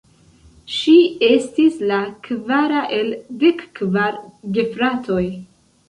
Ŝi estis la kvara el dek kvar gefratoj.